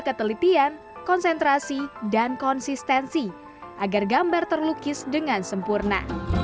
ketelitian konsentrasi dan konsistensi agar gambar terlukis dengan sempurna sepulang dari eropa